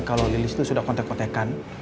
kalau lili sudah kontek kontekan